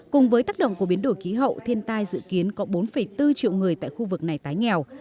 cùng với tác động của biến đổi khí hậu thiên tai dự kiến có bốn bốn triệu người tại khu vực này tái nghèo